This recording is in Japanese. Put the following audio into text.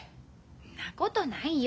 んなことないよ。